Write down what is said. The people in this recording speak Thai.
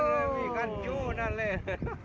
อันนี้คือโน้งกรรม